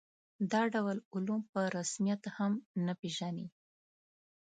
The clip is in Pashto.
دا ډول علوم په رسمیت هم نه پېژني.